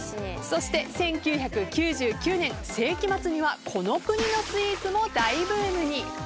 そして１９９９年世紀末にはこの国のスイーツも大ブームに。